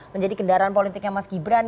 menjadi kendaraan politiknya mas gibran